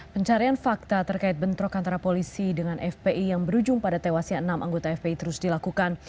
pencarian fakta terkait bentrok antara polisi dengan fpi yang berujung pada tewasnya enam anggota fpi terus dilakukan